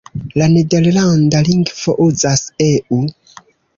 La Nederlanda lingvo uzas "eu".